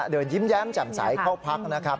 เดินยิ้มแย้มจำสายเข้าพักนะครับ